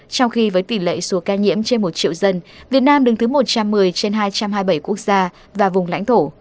trong khi với tỷ lệ số ca nhiễm trên một triệu dân việt nam đứng thứ một trăm một mươi trên hai trăm hai mươi bảy quốc gia và vùng lãnh thổ